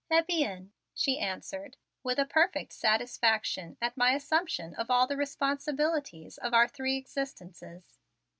"Eh bien!" she answered with a perfect satisfaction at my assumption of all the responsibilities of our three existences.